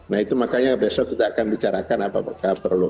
nah itu makanya besok kita akan bicarakan apakah perlu